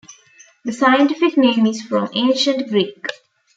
The scientific name is from Ancient Greek.